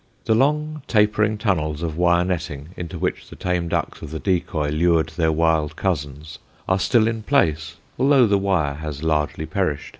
The long tapering tunnels of wire netting, into which the tame ducks of the decoy lured their wild cousins, are still in place, although the wire has largely perished.